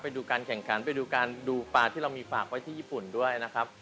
ไปดูการแข่งขันไปดูการดูปลาที่เรามีฝากไว้ที่ญี่ปุ่นด้วยนะครับ